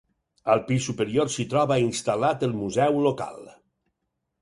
Al pis superior s'hi troba instal·lat el Museu Local.